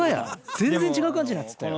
全然違う感じになってたよ。